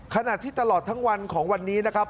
ขณะที่ตลอดทั้งวันของวันนี้นะครับ